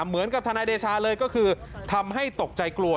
เหมือนกับธนายเดชาเลยก็คือทำให้ตกใจกลัว